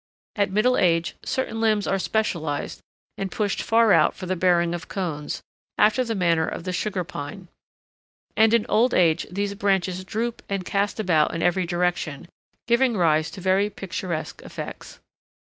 At middle age, certain limbs are specialized and pushed far out for the bearing of cones, after the manner of the Sugar Pine; and in old age these branches droop and cast about in every direction, giving rise to very picturesque effects.